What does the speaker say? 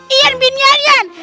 ian bin yaryan